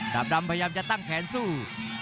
ดำพยายามจะตั้งแขนสู้